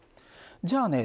じゃあね